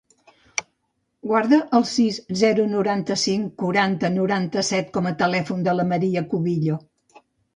Guarda el sis, zero, noranta-cinc, quaranta, noranta-set com a telèfon de la Maria Cubillo.